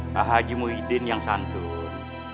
pak haji muhyiddin yang santun